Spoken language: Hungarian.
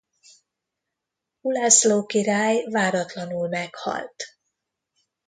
Ulászló király váratlanul meghalt.